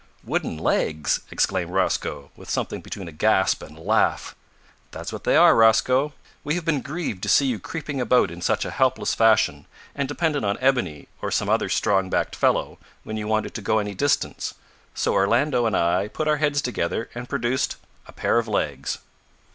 "Wooden legs!" exclaimed Rosco with something between a gasp and a laugh. "That's what they are, Rosco. We have been grieved to see you creeping about in such a helpless fashion, and dependent on Ebony, or some other strong backed fellow, when you wanted to go any distance, so Orlando and I have put our heads together, and produced a pair of legs."